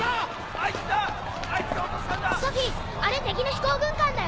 あれ敵の飛行軍艦だよ！